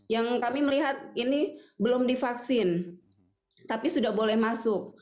yang kami melihat ini belum divaksin tapi sudah boleh masuk